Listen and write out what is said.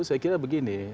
saya kira begini